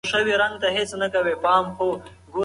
هر څوک د زده کړې حق لري.